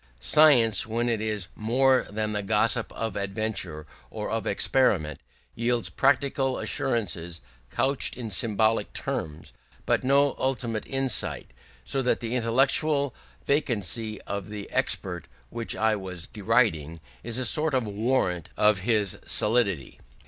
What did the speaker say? Science, when it is more than the gossip of adventure or of experiment, yields practical assurances couched in symbolic terms, but no ultimate insight: so that the intellectual vacancy of the expert, which I was deriding, is a sort of warrant of his solidity.